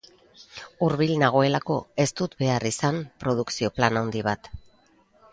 Hurbil nagoelako, ez dut behar izan produkzio plan handi bat.